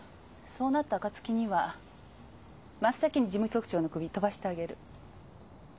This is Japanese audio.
そうなった暁には真っ先に事務局長の首飛ばしてあげる。